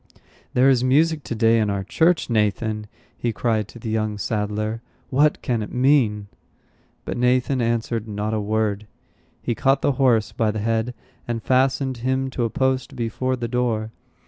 "There is music to day in our church, Nathan!" he cried to the young saddler. "What can it mean?" But Nathan answered not a word. He caught the horse by the head, and fastened him to a post before the door.